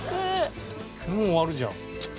もう終わるじゃん。